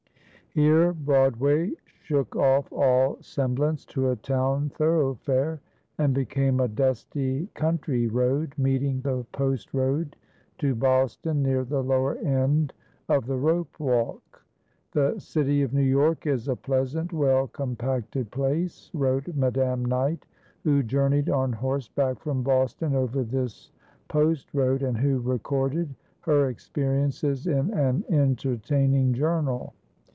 Here Broadway shook off all semblance to a town thoroughfare and became a dusty country road, meeting the post road to Boston near the lower end of the rope walk. "The cittie of New York is a pleasant, well compacted place," wrote Madam Knight, who journeyed on horseback from Boston over this post road and who recorded her experiences in an entertaining journal.